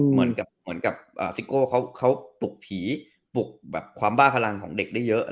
เหมือนกับซิโก้เขาปลุกผีปลุกแบบความบ้าพลังของเด็กได้เยอะ